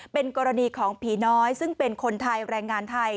เป็นกรณีของผีน้อยซึ่งเป็นคนไทยแรงงานไทย